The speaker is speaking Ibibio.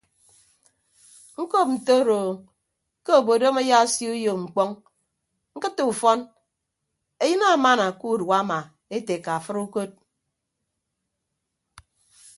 Ñkop ntoroo ke obodom ayaasio uyo mkpọñ ñkịtte ufọn eyịn amaamana ke udua ama ete eka fʌd ukod.